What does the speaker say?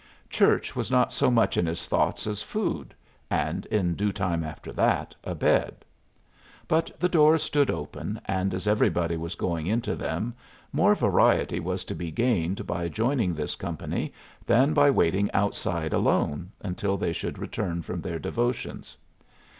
Church was not so much in his thoughts as food and, in due time after that, a bed; but the doors stood open, and as everybody was going into them, more variety was to be gained by joining this company than by waiting outside alone until they should return from their devotions.